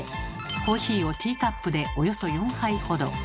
コーヒーをティーカップでおよそ４杯ほど。